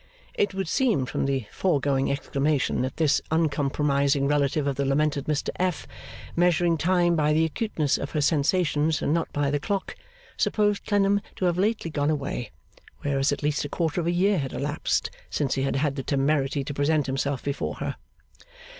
It would seem from the foregoing exclamation that this uncompromising relative of the lamented Mr F., measuring time by the acuteness of her sensations and not by the clock, supposed Clennam to have lately gone away; whereas at least a quarter of a year had elapsed since he had had the temerity to present himself before her.